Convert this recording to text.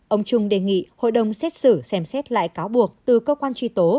ông trung đề nghị hội đồng xét xử xem xét lại cáo buộc từ cơ quan truy tố